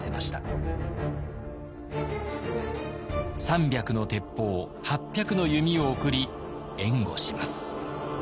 ３００の鉄砲８００の弓を送り援護します。